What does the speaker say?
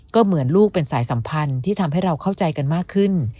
ก็เหมือนลูกเป็นสายสัมพันธ์ที่ทำให้เราเข้าใจกันมากขึ้น